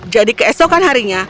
jadi keesokan harinya